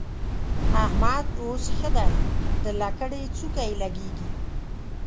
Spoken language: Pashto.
احمد اوس ښه دی؛ د لکړې څوکه يې لګېږي.